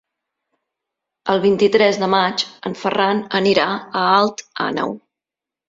El vint-i-tres de maig en Ferran anirà a Alt Àneu.